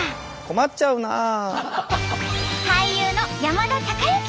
困っちゃうなあ。